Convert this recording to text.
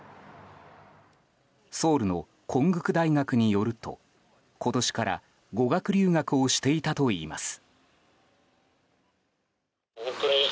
ソウルのコングク大学によると今年から語学留学をしていたといいます。